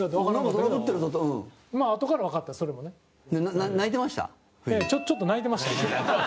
古田：ちょっと泣いてましたね。